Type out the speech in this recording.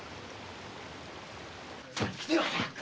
来てよ早く！